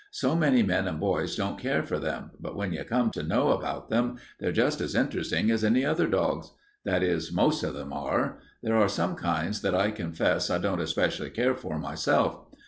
So many men and boys don't care for them, but when you come to know about them, they're just as interesting as any other dogs. That is, most of them are. There are some kinds that I confess I don't especially care for myself.